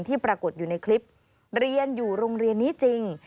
ปรากฏอยู่ในคลิปเรียนอยู่โรงเรียนนี้จริง